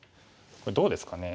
これどうですかね。